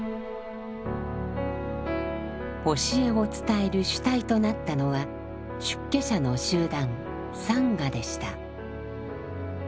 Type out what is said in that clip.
教えを伝える主体となったのは出家者の集団「サンガ」でした。